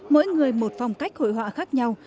mỗi người một phong cách hội họa khác nhau